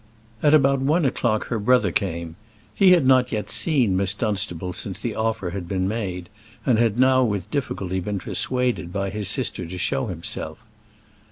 At about one o'clock her brother came. He had not yet seen Miss Dunstable since the offer had been made, and had now with difficulty been persuaded by his sister to show himself.